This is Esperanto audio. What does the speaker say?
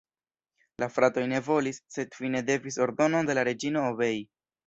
La fratoj ne volis, sed fine devis ordonon de la reĝino obei.